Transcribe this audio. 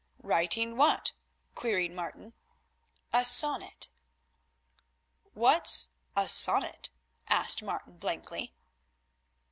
"Writing what?" queried Martin. "A sonnet." "What's a sonnet?" asked Martin blankly.